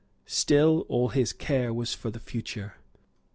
Still all his care was for the future.